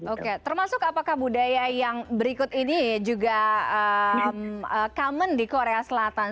oke termasuk apakah budaya yang berikut ini juga common di korea selatan